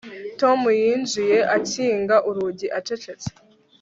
Tom yinjiye akinga urugi acecetse